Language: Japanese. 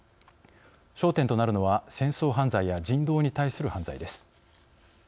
焦点となるのは戦争犯罪や人道に対する犯罪です。